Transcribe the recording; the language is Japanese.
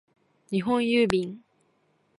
日本郵便